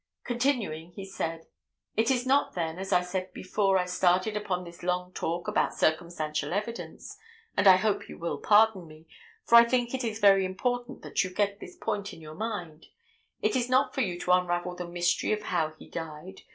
Continuing he said: "It is not then, as I said before I started upon this long talk about circumstantial evidence, and I hope you will pardon me, for I think it is very important that you get this point in your mind, it is not for you to unravel the mystery of how he died.